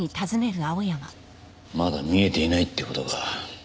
まだ見えていないって事か。